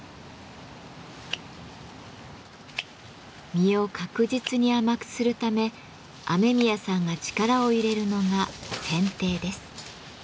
実を確実に甘くするため雨宮さんが力を入れるのが「剪定」です。